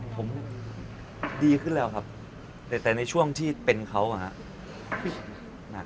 ผมดีขึ้นแล้วครับแต่ในช่วงที่เป็นเขาอะครับ